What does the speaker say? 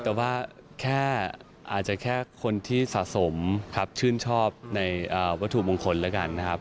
แต่ว่าแค่อาจจะแค่คนที่สะสมครับชื่นชอบในวัตถุมงคลแล้วกันนะครับ